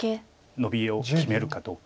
ノビを決めるかどうか。